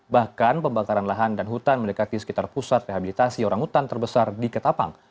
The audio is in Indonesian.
bahkan pembakaran lahan dan hutan mendekati sekitar pusat rehabilitasi orang hutan terbesar di ketapang